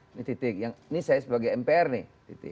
ini titik yang ini saya sebagai mpr nih